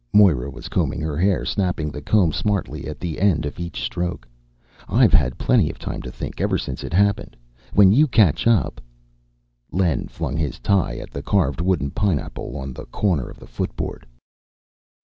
Moira was combing her hair, snapping the comb smartly at the end of each stroke. "I've had plenty of time to think, ever since it happened. When you catch up " Len flung his tie at the carved wooden pineapple on the corner of the footboard.